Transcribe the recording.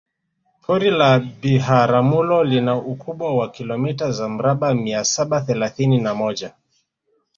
Pori la Biharamulo lina ukubwa wa kilomita za mraba mia saba thelathini na moja